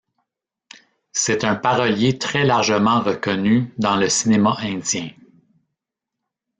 C'est un parolier très largement reconnu dans le cinéma indien.